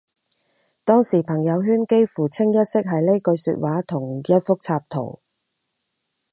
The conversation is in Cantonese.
當時朋友圈幾乎清一色係呢句說話同一幅插圖